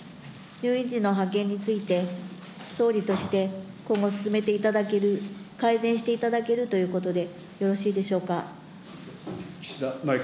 入院時のについて、総理として今後、進めていただける、改善していただけるということでよろしいでしょうか。